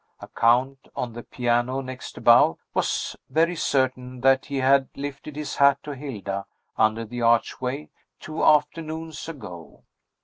A count, on the piano next above, was very certain that he had lifted his hat to Hilda, under the archway, two afternoons ago.